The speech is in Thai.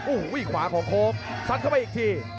โอ้โหขวาของโค้งซัดเข้าไปอีกที